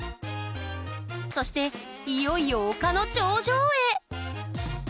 そしていよいよ丘の頂上へ！